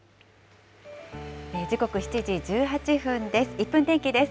時刻、７時１８分です。